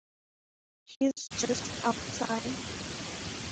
He's just outside.